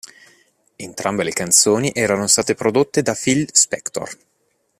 Entrambe le canzoni erano state prodotte da Phil Spector.